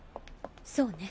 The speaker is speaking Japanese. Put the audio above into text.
そうね。